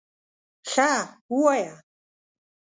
_ښه، ووايه!